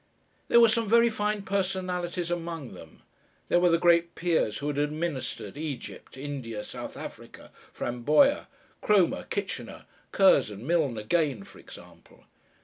There were some very fine personalities among them: there were the great peers who had administered Egypt, India, South Africa, Framboya Cromer, Kitchener, Curzon, Milner, Gane, for example.